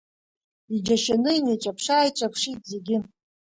Иџьашьаны инеиҿаԥшыааиҿаԥшит зегьы.